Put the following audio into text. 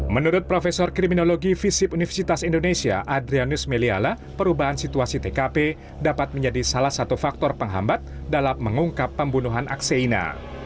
menurut profesor kriminologi visip universitas indonesia adrianus meliala perubahan situasi tkp dapat menjadi salah satu faktor penghambat dalam mengungkap pembunuhan akseina